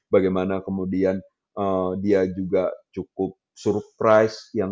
bagaimana kemudian dia juga cukup surprise